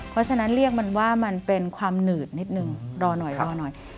เพราะฉะนั้นเรียกมันว่ามันเป็นความหนืดนิดนึงรอหน่อยรอหน่อย